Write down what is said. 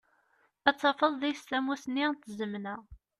Dd tafeḍ deg-s tamusni d tzemna.